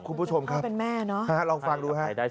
คุณผู้ชมครับลองฟังดูฮะ